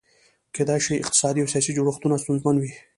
کېدای شي اقتصادي او سیاسي جوړښتونه ستونزمن وي.